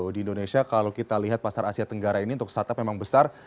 di indonesia kalau kita lihat pasar asia tenggara ini untuk startup memang besar